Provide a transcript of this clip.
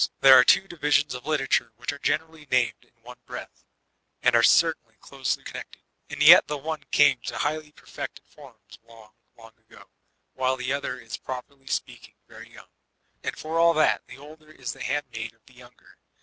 There are two divisions of literature which are gen erally named in one breath, and are certainly closely con nected ; and yet the one came to highly perfected forms long, long ago, while the other is properly speaking very young ; and for all that, the older is the handmaid of the younger.